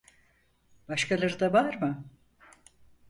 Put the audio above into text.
Başkaları da var mı?